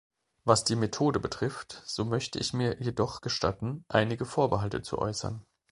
Was die Methode betrifft, so möchte ich mir jedoch gestatten, einige Vorbehalte zu äußern.